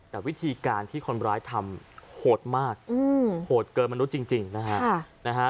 แต่วิธีการที่คนร้ายทำโหดมากโหดเกินมนุษย์จริงนะฮะ